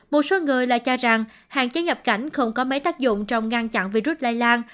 một số người lại cho rằng hạn chế nhập cảnh không có mấy tác dụng trong ngăn chặn virus lây lan